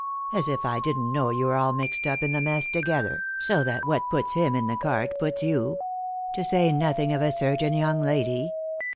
As if I didn't know you are all mixed up in the mess together, so that what puts him in the cart puts you. To say nothing of a certain young lady.